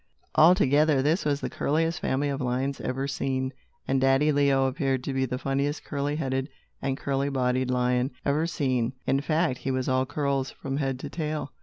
Altogether, this was the curliest family of lions ever seen, and Daddy Leo appeared to be the funniest curly headed and curly bodied lion ever seen. In fact he was all curls, from head to tail.